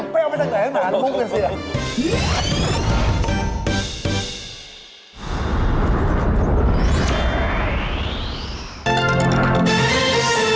ไม่เอาไม่ได้ไหมมันมุมกันเสีย